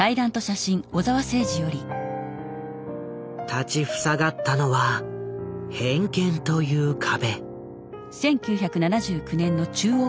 立ち塞がったのは偏見という壁。